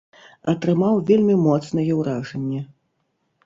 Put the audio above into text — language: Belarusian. Атрымаў вельмі моцнае ўражанне.